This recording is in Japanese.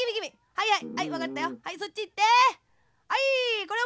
はいはい。